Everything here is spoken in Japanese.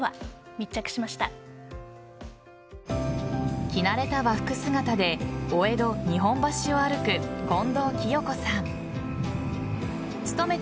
密着しました。